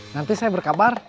nanti saya berkabar